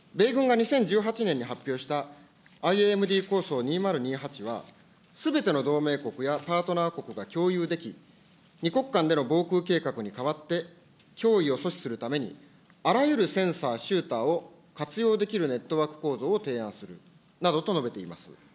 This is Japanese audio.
米軍が２０１８年に発表したＩＡＭＤ構想２０２８はすべての同盟国やパートナー国が共有でき、２国間での防空計画に代わって、脅威を阻止するために、あらゆるセンサー、シューターを活用できるネットワーク構造を提案するなどと述べています。